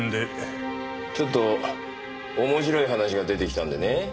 ちょっと面白い話が出てきたんでね。